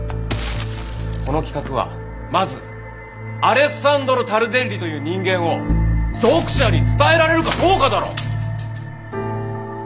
この企画はまずアレッサンドロ・タルデッリという人間を読者に伝えられるかどうかだろ！